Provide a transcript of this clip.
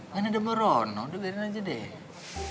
kan ada mok rono udah biarin aja deh